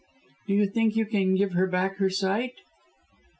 "Do you think you can give her back her sight?"